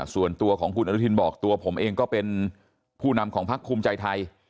ส่วนตัวของคุณอนุทินบอกตัวผมเองก็เป็นผู้นำของพักภูมิใจไทย